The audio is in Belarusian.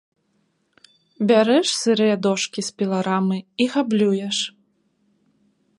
Бярэш сырыя дошкі з піларамы і габлюеш.